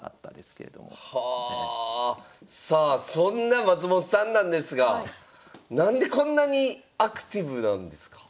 さあそんな松本さんなんですが何でこんなにアクティブなんですか？